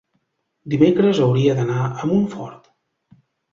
Dimecres hauria d'anar a Montfort.